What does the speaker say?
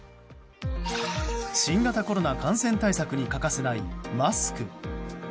新型コロナ感染対策に欠かせないマスク。